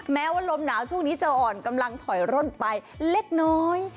แม้ว่าลมหนาวช่วงนี้จะอ่อนกำลังถอยร่นไปเล็กน้อย